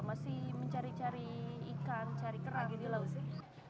masih mencari cari ikan cari keragi di laut sih